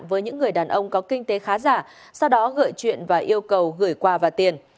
với những người đàn ông có kinh tế khá giả sau đó gợi chuyện và yêu cầu gửi quà và tiền